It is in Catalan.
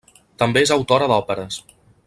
També és autora d'òperes.